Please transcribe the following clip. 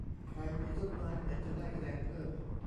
ใครมีต้นไม้เหมือนจะได้คะแนนเพิ่ม